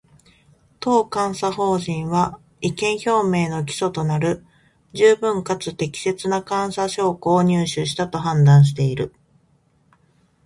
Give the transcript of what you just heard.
当監査法人は、意見表明の基礎となる十分かつ適切な監査証拠を入手したと判断している